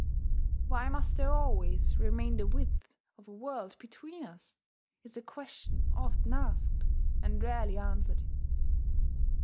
"Why must there always, remain the width of a world between us?" is a question often asked and rarely answered.